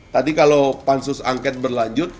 tadi kalau pansus angket berlanjut